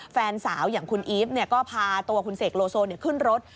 แฟนสาวอย่างคุณอีฟก็พาตัวคุณเสกโลโซขึ้นรถ